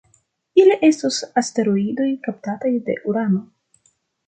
Ili estus asteroidoj kaptataj de Urano.